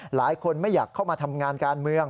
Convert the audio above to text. หลายคนไม่อยากเข้ามาทำงานการเมือง